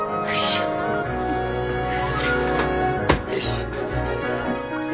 よし。